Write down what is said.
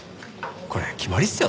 これ決まりっすよ